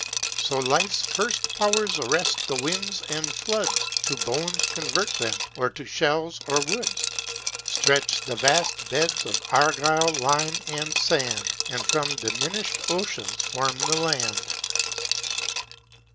So Life's first powers arrest the winds and floods, To bones convert them, or to shells, or woods; Stretch the vast beds of argil, lime, and sand, And from diminish'd oceans form the land!